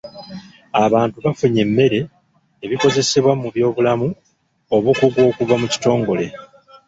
Abantu bafunye emmere, ebikozesebwa mu by'obulamu, obukugu okuva mu kitongole.